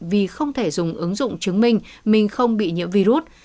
vì không thể dùng ứng dụng chứng minh mình không bị nhiễm virus